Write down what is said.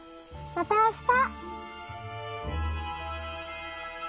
またあした。